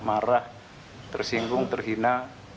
marah tersinggung terhina